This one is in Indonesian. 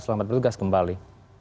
selamat berhugas kembali